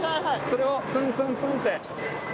それをツンツンツンッて。